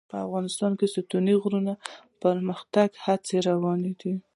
افغانستان کې د ستوني غرونه د پرمختګ هڅې روانې دي.